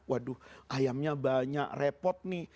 waduh ayamnya banyak repot nih